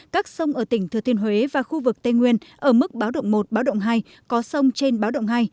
các sông ở tỉnh thừa thiên huế và khu vực tây nguyên ở mức báo động một báo động hai có sông trên báo động hai